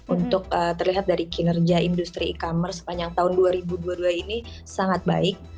untuk terlihat dari kinerja industri e commerce sepanjang tahun dua ribu dua puluh dua ini sangat baik